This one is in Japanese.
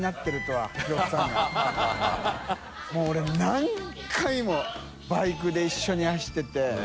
發Ε何回もバイクで一緒に走ってて。